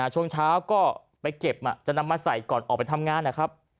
ช่วงเช้าก็ไปเก็บจะนำมาใส่ก่อนออกไปทำงานนะครับ